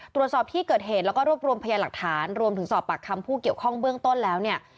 ตรวจสอบที่เกิดเหตุแล้วก็รวบรวมพยาหลักฐานรวมถึงสอบปากคำผู้เกี่ยวข้องเบื้องต้นแล้วเนี่ย